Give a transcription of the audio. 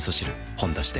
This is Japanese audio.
「ほんだし」で